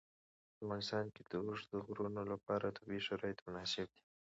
په افغانستان کې د اوږده غرونه لپاره طبیعي شرایط مناسب دي.